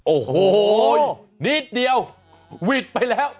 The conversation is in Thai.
โอ้โหนิดเดียววิทย์ไปแล้ว